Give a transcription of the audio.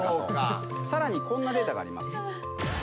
さらにこんなデータがあります。